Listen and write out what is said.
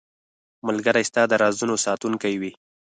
ملګری ستا د رازونو ساتونکی وي.